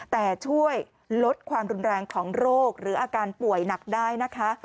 แต่ช่วยลดความรุนแรงของโรคหรืออาการป่วยหนักได้นะคะ